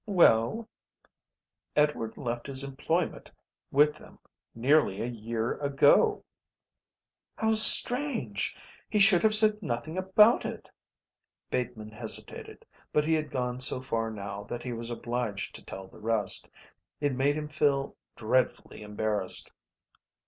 "Well?" "Edward left his employment with them nearly a year ago." "How strange he should have said nothing about it!" Bateman hesitated, but he had gone so far now that he was obliged to tell the rest. It made him feel dreadfully embarrassed.